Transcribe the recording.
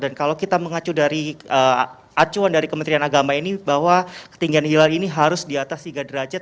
dan kalau kita mengacu dari acuan dari kementerian agama ini bahwa ketinggian hilal ini harus di atas tiga derajat